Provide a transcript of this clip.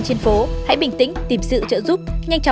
cứ phải bình tĩnh giải quyết thôi